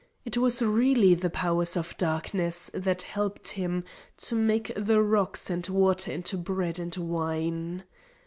It was really the powers of Darkness that helped him to make the rocks and water into bread and wine.